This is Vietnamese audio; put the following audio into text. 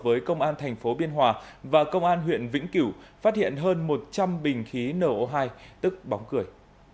với công an thành phố biên hòa và công an huyện vĩnh cửu phát hiện hơn một trăm linh bình khí no hai tức bóng cười